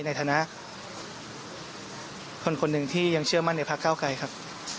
ในฐานะคนคนหนึ่งที่ยังเชื่อมั่นในพระเก้าไกรครับ